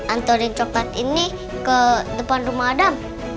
antoni coklat ini ke depan rumah adam